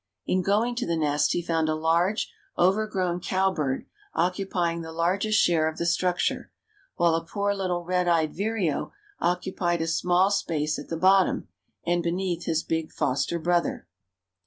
In going to the nest he found a large over grown cowbird occupying the largest share of the structure, "while a poor little red eyed vireo occupied a small space at the bottom, and beneath his big foster brother."